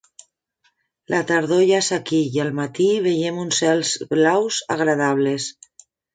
La tardor ja és aquí i al matí veiem uns cels blaus agradables.